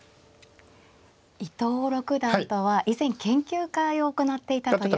伊藤六段とは以前研究会を行っていたという。